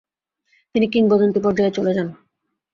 তিনি কিংবদন্তি পর্যায়ে চলে যান।